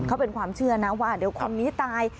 เขาเป็นความเชื่อนะว่าเดี๋ยวคนนี้ตาย